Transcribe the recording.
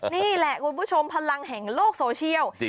นี่แหละคุณผู้ชมพลังแห่งโลกโซเชียล